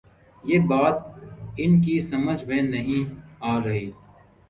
یہ بات ان کی سمجھ میں نہیں آ رہی۔